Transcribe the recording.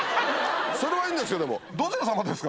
それはいいんですけどもどちらさまですか？